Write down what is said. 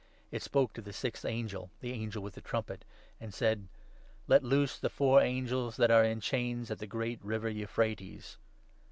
It spoke to the sixth angel— the angel with the trumpet — and 14 said ' Let loose the four angels that are in chains at the great river Euphrates.'